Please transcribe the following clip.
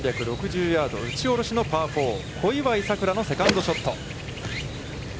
３６０ヤード、打ち下ろしのパー４。小祝さくらのセカンドショット。